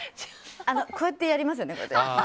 こうやってやりますよね。